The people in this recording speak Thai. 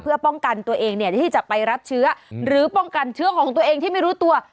เพื่อป้องกันตัวเองที่จะไปรับเชื้อหรือป้องกันเชื้อของตัวเองที่ไม่รู้ตัว